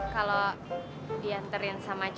kalo diantarin sama cowok